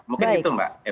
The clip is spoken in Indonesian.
mungkin gitu mbak